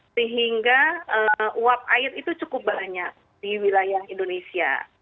sehingga uap air itu cukup banyak di wilayah indonesia